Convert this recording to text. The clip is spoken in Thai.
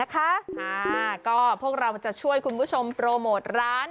ก็พวกเราจะช่วยคุณผู้ชมโปรโมทร้าน